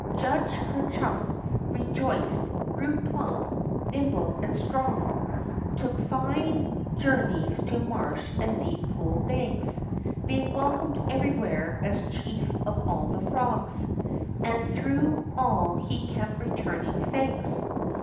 Judge Ker Chunk re joiced, grew plump, nimble, and strong, took flne 106 THE ROCK FROG journeys to marsh and Deep Pool banks, being wel comed everywhere as chief of all the frogs. And through all he kept returning thanks.